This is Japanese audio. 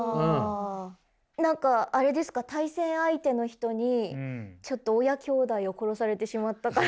何かあれですか対戦相手の人にちょっと親兄弟を殺されてしまったから。